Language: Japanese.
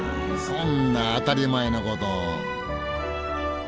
そんな当たり前のこと。